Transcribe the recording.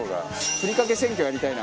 ふりかけ選挙やりたいな。